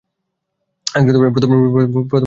প্রথমে, টেলিভিশন দেখ।